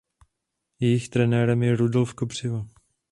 Jejich trenérem je Rudolf Kopřiva.